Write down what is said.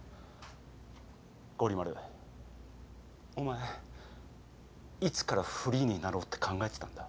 ゴリ丸お前いつからフリーになろうって考えてたんだ？